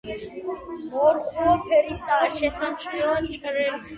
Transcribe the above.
მორუხო ფერისაა, შესამჩნევად ჭრელი.